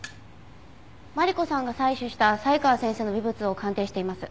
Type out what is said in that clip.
マリコさんが採取した才川先生の微物を鑑定しています。